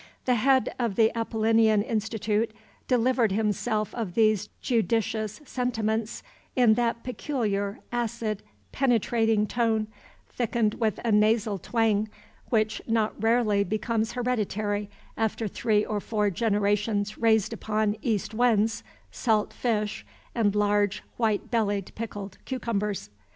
The Head of the Apollinean Institute delivered himself of these judicious sentiments in that peculiar acid, penetrating tone, thickened with a nasal twang, which not rarely becomes hereditary after three or four generations raised upon east winds, salt fish, and large, white bellied, pickled cucumbers.